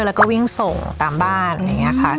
แล้วก็วิ่งส่งตามบ้านอย่างเงี้ยค่ะ